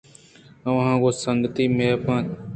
آواں گوں سنگتی مپت اَت